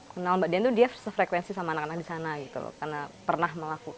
kenal mbak dian itu dia sefrekuensi sama anak anak di sana gitu loh karena pernah melakukan